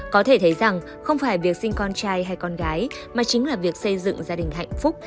có thể thấy rằng không phải việc sinh con trai hay con gái mà chính là việc xây dựng gia đình hạnh phúc